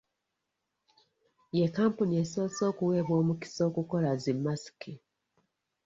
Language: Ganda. Ye kampuni esoose okuweebwa omukisa okukola zi masiki.